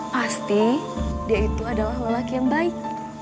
pasti dia itu adalah lelaki yang baik